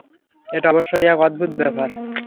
এটা অবশ্যই এক অদ্ভুত ব্যাপার।